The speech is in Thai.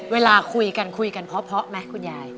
เวลาคุยกันคุยกันเพราะไหมคุณยาย